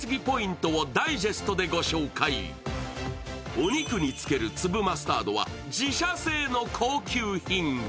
お肉につける粒マスタードは自社製の高級品。